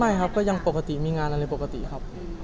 ไม่ครับก็ยังปกติมีงานอะไรปกติครับ